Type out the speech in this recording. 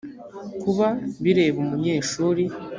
kuba bireba umunyeshuri